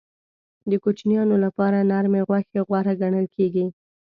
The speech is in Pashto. د کوچنیانو لپاره نرمې غوښې غوره ګڼل کېږي.